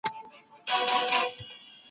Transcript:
خپلې لیکنې په پاراګرافونو تقسیم کړئ.